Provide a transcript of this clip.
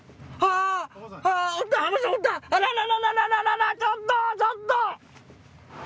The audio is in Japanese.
あらららちょっとちょっと！